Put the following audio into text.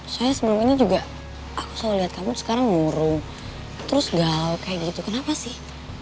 saya sebelum ini juga aku selalu lihat kamu sekarang ngurung terus galau kayak gitu kenapa sih